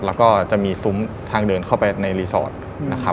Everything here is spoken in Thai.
แล้วก็จะมีซุ้มทางเดินเข้าไปในรีสอร์ทนะครับ